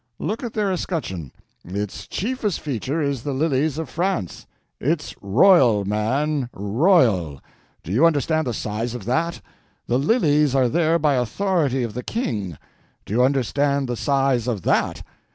Look at their escutcheon. Its chiefest feature is the lilies of France. It's royal, man, royal—do you understand the size of that? The lilies are there by authority of the King—do you understand the size of that?